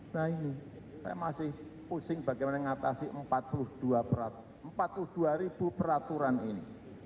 nah ini saya masih pusing bagaimana mengatasi empat puluh dua ribu peraturan ini